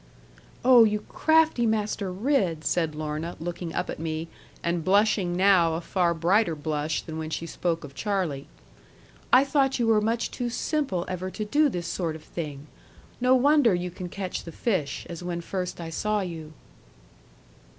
'Oh, you crafty Master Ridd!' said Lorna, looking up at me, and blushing now a far brighter blush than when she spoke of Charlie; 'I thought that you were much too simple ever to do this sort of thing. No wonder you can catch the fish, as when first I saw you.'